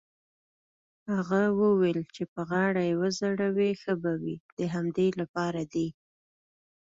هغه وویل: چې په غاړه يې وځړوې ښه به وي، د همدې لپاره دی.